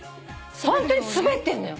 ホントに滑ってんのよ。